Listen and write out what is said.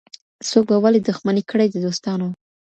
څوک به ولي دښمني کړي د دوستانو